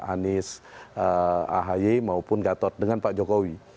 anies ahy maupun gatot dengan pak jokowi